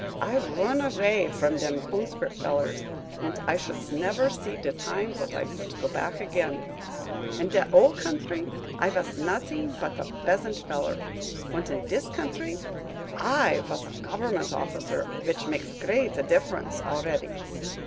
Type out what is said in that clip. I roon avay vrom dem conscrip' fellers, und I shoost never seed de time vot I voot go back again. In dot ol' guntry, I vos nuttings boot a beasant feller; unt in dis guntry I vos a goov'ment off'cer, vich makes grade diff'rence, already."